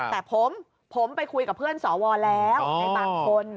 แต่ผมไปคุยกับเพื่อนสวแล้วในบางคน